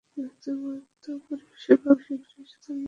ব্যক্তিগত পরিষেবা শীঘ্রই সাধারণ জনগণের কাছে উপলব্ধ হবে।